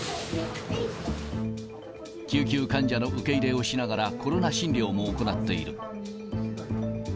救急患者の受け入れをしながら、コロナ診療も行っている。